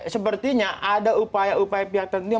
sepertinya ada upaya upaya pihak tertentu